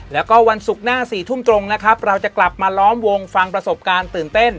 แล้วก็วันศุกร์หน้า๔ทุ่มตรงนะครับเราจะกลับมาล้อมวงฟังประสบการณ์ตื่นเต้น